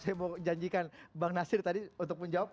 saya mau janjikan bang nasir tadi untuk menjawab